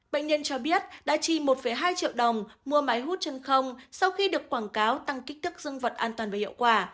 bệnh nhân cho biết đã chi một hai triệu đồng mua máy hút chân không sau khi được quảng cáo tăng kích thức dương vật an toàn và hiệu quả